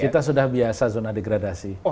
kita sudah biasa zona degradasi